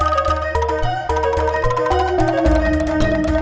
apanya bekerja baji harusnya